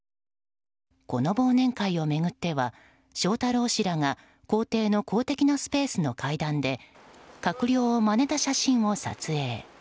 この忘年会を巡っては翔太郎氏らが公邸の公的なスペースの階段で閣僚をまねた写真を撮影。